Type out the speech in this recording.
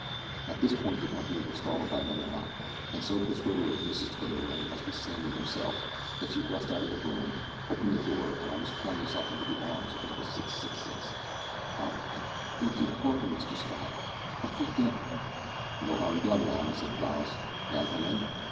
At this point the company were startled by another knock, and so persuaded was Mrs Twitter that it must be Sammy himself, that she rushed out of the room, opened the door, and almost flung herself into the arms of Number 666. "I I beg your pardon, Mr Scott, I thought that " "No harm done, ma'am," said Giles. "May I come in?"